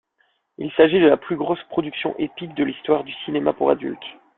Il s'agit de la plus grosse production épique de l'histoire du cinéma pour adulte.